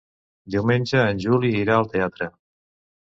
Diumenge en Juli irà al teatre.